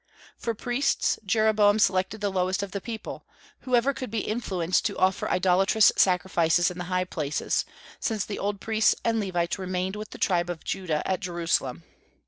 For priests, Jeroboam selected the lowest of the people, whoever could be induced to offer idolatrous sacrifices in the high places, since the old priests and Levites remained with the tribe of Judah at Jerusalem.